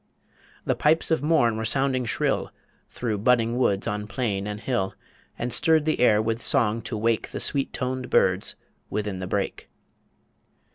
The pipes of morn were sounding shrill Through budding woods on plain and hill, And stirred the air with song to wake The sweet toned birds within the brake.